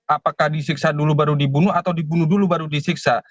apakah disiksa dulu baru dibunuh atau dibunuh dulu baru disiksa